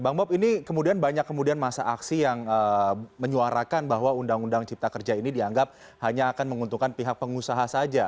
bang bob ini kemudian banyak kemudian masa aksi yang menyuarakan bahwa undang undang cipta kerja ini dianggap hanya akan menguntungkan pihak pengusaha saja